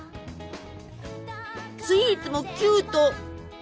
スイーツもキュート！